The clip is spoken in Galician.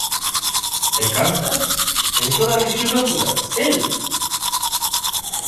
¿E cantas, en toda a lexislatura, el?